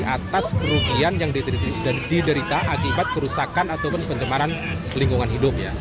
atas kerugian yang diderita akibat kerusakan ataupun pencemaran lingkungan hidup ya